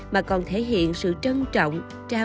mà còn thể hiện sự trân trọng